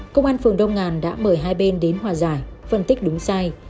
công an phường đông ngàn đã mời hai bên đến hòa giải phân tích đúng sai